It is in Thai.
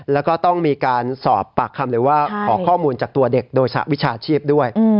แล้วก็ต้องมีการสอบปากคำหรือว่าขอข้อมูลจากตัวเด็กโดยสหวิชาชีพด้วย